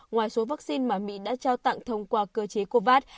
ngoài số vaccine mà mỹ đã trao tặng thông qua cơ chế covax